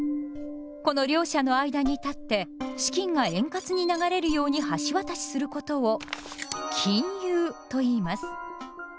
この両者の間に立って資金が円滑に流れるように橋渡しすることを「金融」といいます。